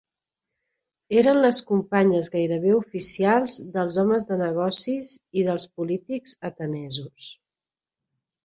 Eren les companyes gairebé oficials dels homes de negocis i dels polítics atenesos.